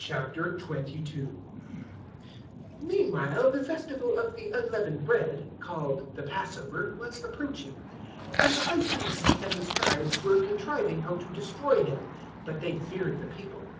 022:001 Meanwhile the Festival of the Unleavened Bread, called the Passover, was approaching, 022:002 and the High Priests and the Scribes were contriving how to destroy Him. But they feared the people.